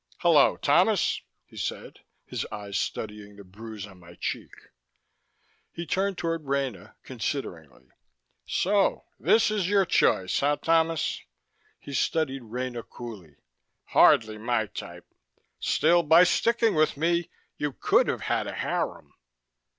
"Hello, Thomas," he said, his eyes studying the bruise on my cheek. He turned toward Rena consideringly. "So this is your choice, eh, Thomas?" He studied Rena coolly. "Hardly my type. Still, by sticking with me, you could have had a harem."